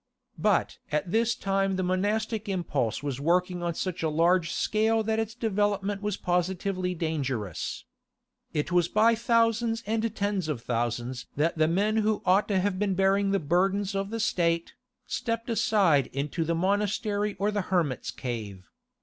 But at this time the monastic impulse was working on such a large scale that its development was positively dangerous. It was by thousands and ten thousands that the men who ought to have been bearing the burdens of the State, stepped aside into the monastery or the hermit's cave.